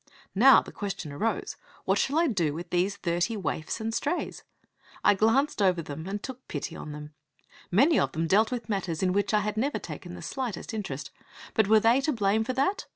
Now the question arose: What shall I do with these thirty waifs and strays? I glanced over them and took pity on them. Many of them dealt with matters in which I had never taken the slightest interest. But were they to blame for that?